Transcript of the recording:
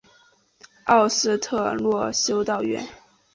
奥斯特洛修道院。